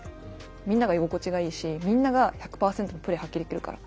みんなが居心地がいいしみんなが１００％のプレー発揮できるから。